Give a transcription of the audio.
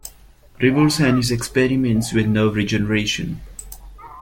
Rivers and his experiments with nerve regeneration.